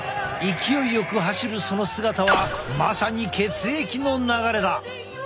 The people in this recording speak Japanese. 勢いよく走るその姿はまさに血液の流れだ！